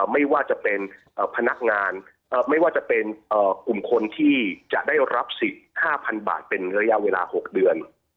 ไม่ว่าจะเป็นพนักงานไม่ว่าจะเป็นกลุ่มคนที่จะได้รับสิทธิ์๕๐๐๐บาทเป็นระยะเวลา๖เดือน